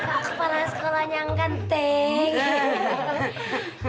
oh kepala sekolahnya yang kenteng